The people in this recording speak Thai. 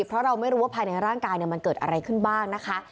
เพราะเราไม่รู้ว่าภายในร่างกายมันเกิดอะไรขึ้นบ้างนะคะ